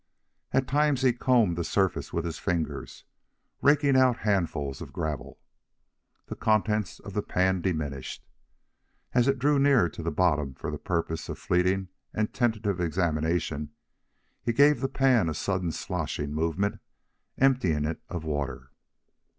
At times he combed the surface with his fingers, raking out handfuls of gravel. The contents of the pan diminished. As it drew near to the bottom, for the purpose of fleeting and tentative examination, he gave the pan a sudden sloshing movement, emptying it of water.